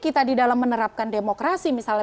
kita di dalam menerapkan demokrasi misalnya